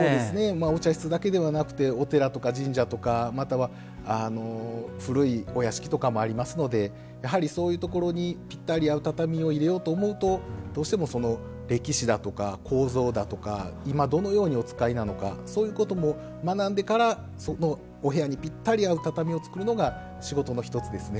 お茶室だけではなくてお寺とか神社とかまたは古いお屋敷とかもありますのでやはりそういうところにぴったり合う畳を入れようと思うとどうしてもその歴史だとか構造だとか今どのようにお使いなのかそういうことも学んでからそのお部屋にぴったり合う畳を作るのが仕事の一つですね。